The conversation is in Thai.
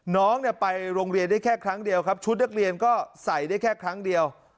น้องไปโรงเรียนได้แค่ครั้งเดียวครับชุดนักเรียนก็ใส่ได้แค่ครั้งเดียว